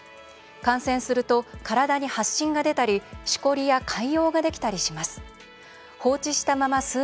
感染すると、体に発疹が出たりしこりや潰瘍ができたりします。